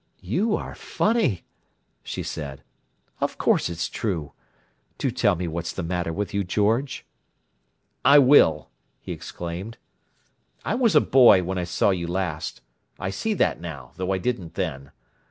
"You are funny!" she said. "Of course it's true. Do tell me what's the matter with you, George!" "I will!" he exclaimed. "I was a boy when I saw you last. I see that now, though I didn't then.